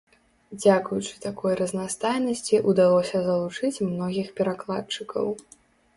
Дзякуючы такой разнастайнасці ўдалося залучыць многіх перакладчыкаў.